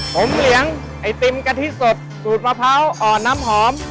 ผมเลี้ยงไอติมกะทิสดสูตรมะพร้าวอ่อนน้ำหอม